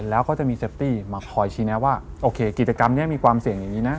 แล้วเขาจะมีเซฟตี้มาคอยชี้แนะว่าโอเคกิจกรรมนี้มีความเสี่ยงอย่างนี้นะ